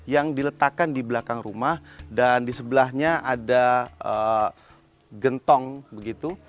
yang diletakkan di belakang rumah dan di sebelahnya ada gentong begitu